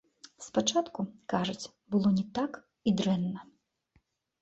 Спачатку, кажуць, было не так і дрэнна.